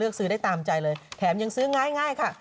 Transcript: ซื้อได้ตามใจเลยแถมยังซื้อง่ายค่ะ